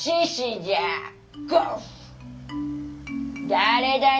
だれだね